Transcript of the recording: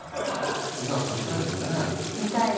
水原さん見たいですよねえ？